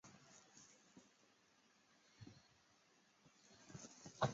红白忍冬为忍冬科忍冬属下的一个变种。